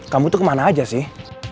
kamu tuh kemana aja sih